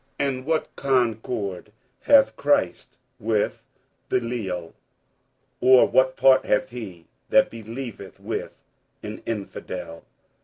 47:006:015 And what concord hath Christ with Belial? or what part hath he that believeth with an infidel?